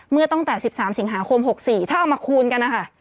ตั้งแต่๑๓สิงหาคม๖๔ถ้าเอามาคูณกันนะคะ